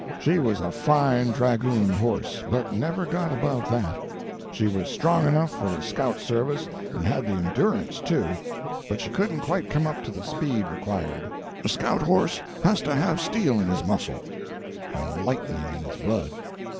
She was a fine dragoon horse, but never got above that. She was strong enough for the scout service, and had the endurance, too, but she couldn't quite come up to the speed required; a scout horse has to have steel in his muscle and lightning in his blood.